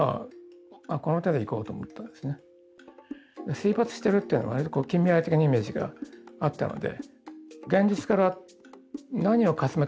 水没してるっていうのがわりと近未来的なイメージがあったので。